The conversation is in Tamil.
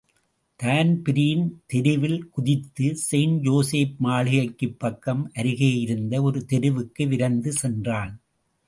தான்பிரீன் தெருவில் குதித்து, செயின்ட் ஜோசப் மாளிகைக்குப் பக்கம் அருகேயிருந்த ஒரு தெருவுக்கு விரைந்து சென்றான்.